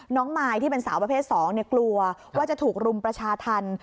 มายที่เป็นสาวประเภท๒กลัวว่าจะถูกรุมประชาธรรม